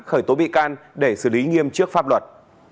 khởi tố bị can để xử lý nghiêm trước pháp luật